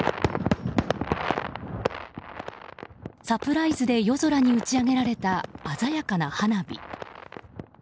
サプライズで夜空に打ち上げられた鮮やかな花火。